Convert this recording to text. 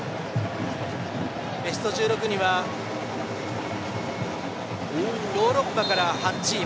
ベスト１６にはヨーロッパから８チーム